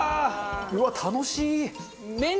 うわっ楽しい！